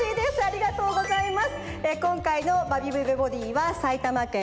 ありがとうございます。